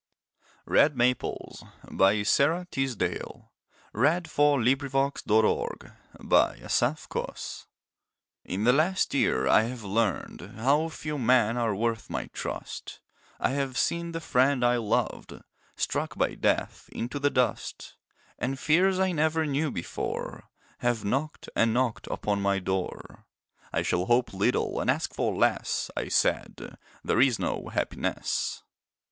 from the peace of those Who are not lonely, having died. Red Maples In the last year I have learned How few men are worth my trust; I have seen the friend I loved Struck by death into the dust, And fears I never knew before Have knocked and knocked upon my door "I shall hope little and ask for less," I said, "There is no happiness."